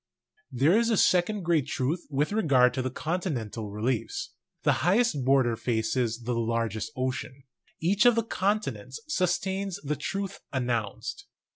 There is a second great truth with regard to the con tinental reliefs : the highest border faces the largest ocean. Each of the continents sustains the truth announced.